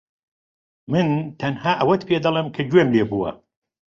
من تەنها ئەوەت پێدەڵێم کە گوێم لێ بووە.